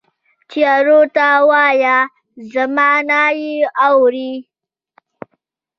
تیارو ته وایه، زمانه یې اورې